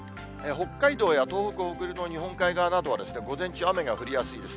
北海道や東北、北陸の日本海側などは、午前中、雨が降りやすいです。